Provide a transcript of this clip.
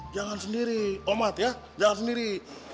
jangan sendiri umat ya jangan sendiri